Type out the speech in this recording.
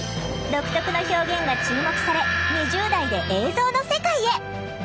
独特な表現が注目され２０代で映像の世界へ！